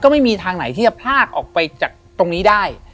ไม่มีทางไหนที่จะพลากออกไปจากตรงนี้ได้